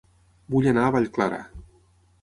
Vull anar a Vallclara